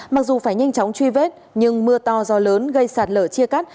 mặc dù phải nhanh chóng truy vết nhưng mưa to gió lớn gây sạt lở chia cắt